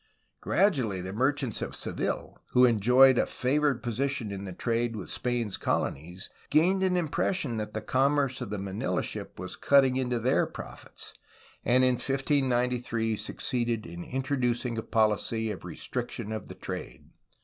Gradually the merchants of Seville, who enjoyed a favored position in the trade with Spain's colonies, gained an impression that the commerce of the Manila ship was cutting into their profits, and in 1593 succeeded in introducing a policy of restriction of the trade.